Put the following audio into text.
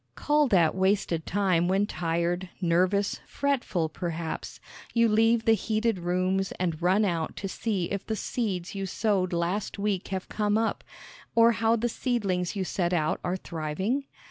Call that wasted time when tired, nervous, fretful perhaps, you leave the heated rooms and run out to see if the seeds you sowed last week have come up, or how the seedlings you set out are thriving?